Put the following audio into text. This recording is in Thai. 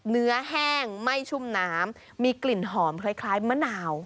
แห้งไม่ชุ่มน้ำมีกลิ่นหอมคล้ายมะนาว